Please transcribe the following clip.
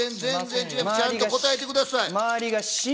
ちゃんと答えてください。